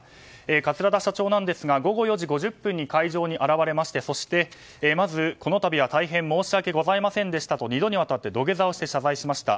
桂田社長ですが午後４時５０分に会場に現れましてそしてまず、この度は大変申し訳ございませんでしたと２度にわたって土下座をして謝罪しました。